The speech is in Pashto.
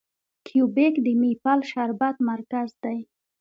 کیوبیک د میپل شربت مرکز دی.